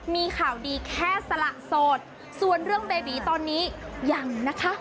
มีข่าวดีแค่สละโสดส่วนเรื่องเบบีตอนนี้ยังนะคะ